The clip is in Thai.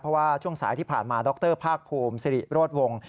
เพราะว่าส่วนสายที่ผ่านมาดรภากภูมิศรีโบศิโรดวงศ์